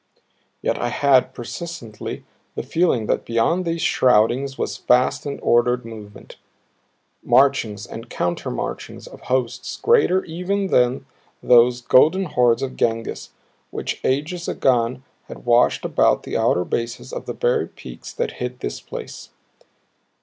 Yet I had, persistently, the feeling that beyond these shroudings was vast and ordered movement; marchings and counter marchings of hosts greater even than those Golden Hordes of Genghis which ages agone had washed about the outer bases of the very peaks that hid this place.